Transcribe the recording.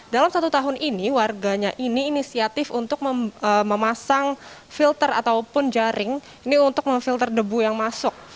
dalam satu tahun ini warganya ini inisiatif untuk memasang filter ataupun jaring ini untuk memfilter debu yang masuk